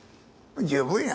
十分や。